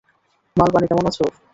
মাল-পানি কেমন আছে ওর?